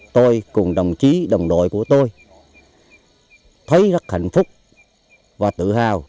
tôi cùng đồng chí đồng đội của tôi thấy rất hạnh phúc và tự hào